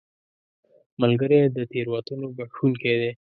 ملګری د تېروتنو بخښونکی دی